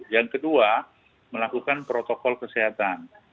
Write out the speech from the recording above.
yang kedua melakukan protokol kesehatan